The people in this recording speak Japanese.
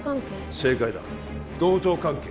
正解だ同等関係